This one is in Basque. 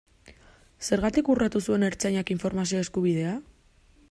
Zergatik urratu zuen Ertzaintzak informazio eskubidea?